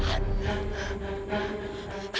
ibu doa tahan